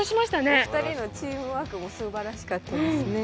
お二人のチームワークもすばらしかったですね。